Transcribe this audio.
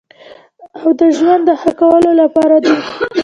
او د ژوند د ښه کولو لپاره دی.